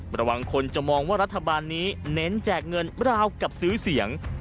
ระวังคนจะมองว่ารัฐบาลนี้เน้นแจกเงินราวกับซื้อเสียง